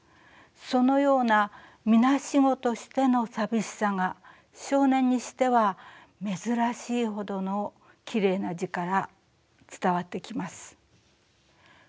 そのようなみなしごとしての寂しさが少年にしては珍しいほどのきれいな字から伝わってきます。